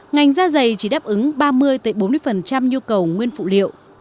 ngành da dày chỉ đáp ứng ba mươi bốn mươi nhu cầu nguyên phụ liệu